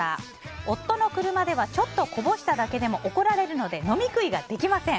夫の車ではちょっとこぼしただけでも怒られるので飲み食いができません。